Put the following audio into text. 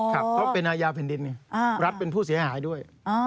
เขาเป็นอาญาแผ่นดินรัฐเป็นผู้เสียหายด้วย